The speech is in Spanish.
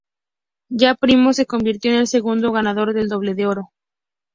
Ya Primo se convirtió en el segundo ganador de la Doble de Oro.